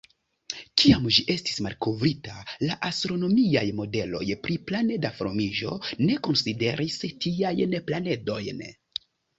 Kiam ĝi estis malkovrita, la astronomiaj modeloj pri planeda formiĝo ne konsideris tiajn planedojn.